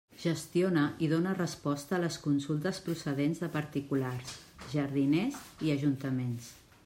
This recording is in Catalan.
Gestiona i dóna resposta a les consultes procedents de particulars, jardiners i ajuntaments.